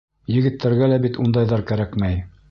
Егеттәргә лә бит ундайҙар кәрәкмәй.